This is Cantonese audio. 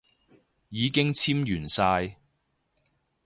已經簽完晒